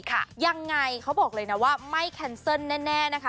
ยังไงเขาบอกเลยนะว่าไม่แคนเซิลแน่แน่นะคะ